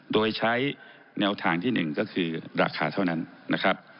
โดยใช้แนวทางที่๑ก็คือราคาเท่านั้นนะครับ